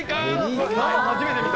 初めて見た。